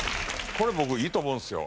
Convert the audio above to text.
これ僕いいと思うんですよ。